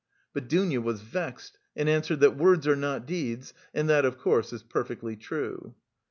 But Dounia was vexed, and answered that 'words are not deeds,' and that, of course, is perfectly true.